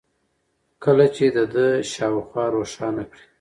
كله چي د ده شا و خوا روښانه كړي